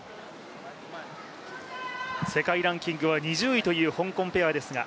世界ランキングは２０位という香港ペアですが、